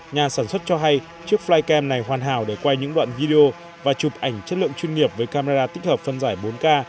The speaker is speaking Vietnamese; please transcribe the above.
nhà sản xuất cho hay chiếc flycam này hoàn hảo để quay những đoạn video và chụp ảnh chất lượng chuyên nghiệp với camera tích hợp phân giải bốn k